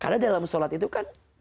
karena dalam sholat itu kan